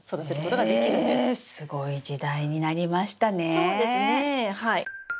そうですねえはい。